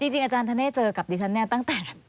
จริงอาจารย์ธเนธเจอกับดิฉันเนี่ยตั้งแต่